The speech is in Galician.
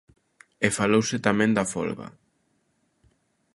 E falouse tamén da folga.